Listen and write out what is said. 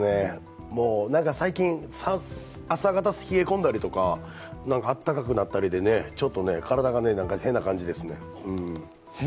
最近、朝方冷え込んだりとか、あったかくなったりとか、ちょっと体が変な感じです。